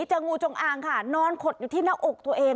เจองูจงอางค่ะนอนขดอยู่ที่หน้าอกตัวเอง